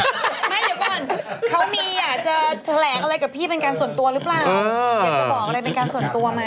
อยากจะบอกอะไรเป็นการส่วนตัวไหม